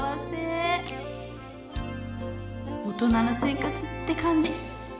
大人の生活って感じ。